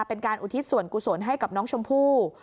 เป็นการอุทิศสวนกุศวนให้กับน้องชมพู่